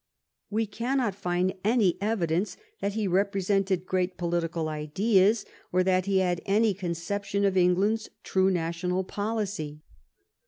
We cannot find any evidence that he represented great political ideas or that he had any conception of England's true national policy.